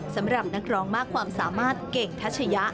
สำหรับนักร้องมากความสามารถเก่งทัชยะ